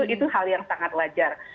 itu hal yang sangat wajar